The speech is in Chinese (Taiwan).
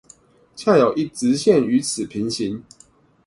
恰有一直線與此平行